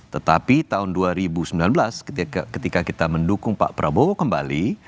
tetapi tahun dua ribu sembilan belas ketika kita mendukung pak prabowo kembali